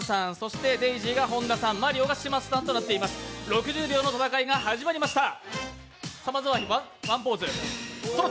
６０秒の戦いが始まりました。